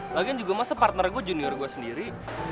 lagian juga masa partner gua junior gua sendiri